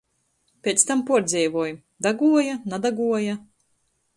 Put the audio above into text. Piec tam puordzeivoj... Daguoja, nadaguoja?!